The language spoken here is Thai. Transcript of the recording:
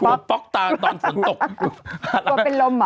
หัวป๊อกตาตอนฝนตกหัดล้ำหัวเป็นลมเหรอ